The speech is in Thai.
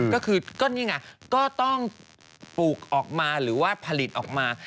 ก็คือก็นี่ไงก็ต้องปลูกออกมาหรือว่าผลิตออกมา